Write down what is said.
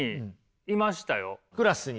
クラスに？